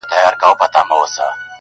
اوس سپوږمۍ نسته اوس رڼا نلرم,